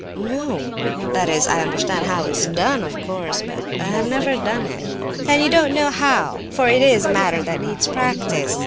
"No! That is, I understand how it's done, of course, but I have never done it." "Then, you don't know how, for it is a matter that needs practice.